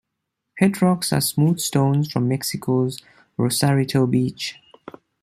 Pet Rocks are smooth stones from Mexico's Rosarito Beach.